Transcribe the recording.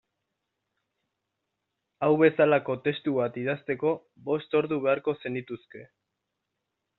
Hau bezalako testu bat idazteko bost ordu beharko zenituzke.